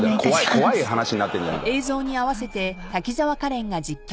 怖い話になってんじゃねえかよ。